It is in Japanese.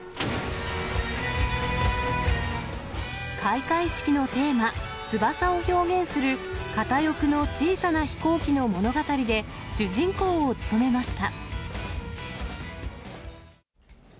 開会式のテーマ、翼を表現する片翼の小さな飛行機の物語で、主人公を務めました。